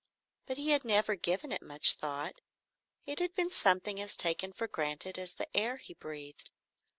But he had never given it much thought; it had been something as taken for granted as the air he breathed.